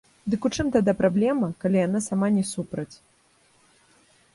Дык у чым тады праблема, калі яна сама не супраць?